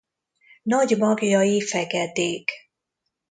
Nagy magjai feketék.